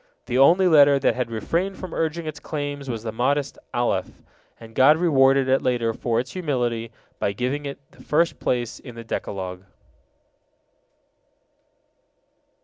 The only letter that had refrained from urging its claims was the modest Alef, and God rewarded it later for its humility by giving it the first place in the Decalogue.